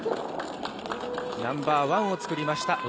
ナンバーワンを作りました。